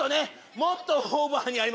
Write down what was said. もっとオーバーにやりますね。